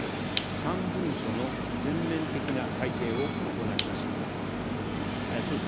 ３文書の全面的な改定を行いました。